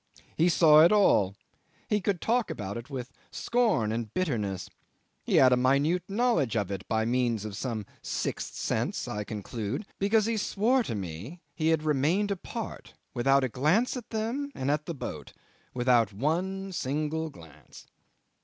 He saw it all, he could talk about it with scorn and bitterness; he had a minute knowledge of it by means of some sixth sense, I conclude, because he swore to me he had remained apart without a glance at them and at the boat without one single glance.